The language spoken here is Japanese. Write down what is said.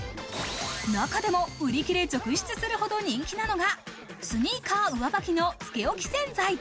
中でも売り切れ続出するほど人気なのがスニーカー・上履きのつけおき洗剤。